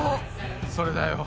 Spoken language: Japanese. それだよ。